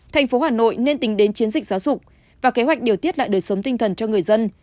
thành phố hà nội nên tính đến chiến dịch giáo dục và kế hoạch điều tiết lại đời sống tinh thần cho người dân